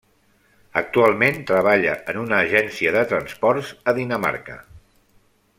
Actualment treballa en una agència de transports a Dinamarca.